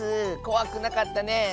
こわくなかったねえ。